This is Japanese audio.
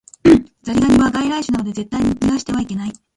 ザリガニは外来種なので絶対に逃してはいけない